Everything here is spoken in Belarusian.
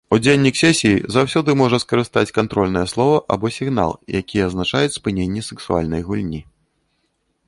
Удзельнік сесіі заўсёды можа скарыстаць кантрольнае слова або сігнал, якія азначаюць спыненне сексуальнай гульні.